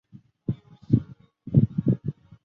在土耳其护照封页上的标志为单纯的星月图案。